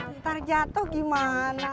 ntar jatuh gimana